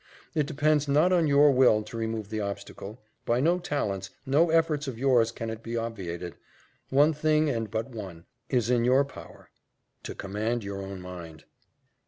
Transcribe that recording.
It depends not on your will to remove the obstacle by no talents, no efforts of yours can it be obviated: one thing, and but one, is in your power to command your own mind."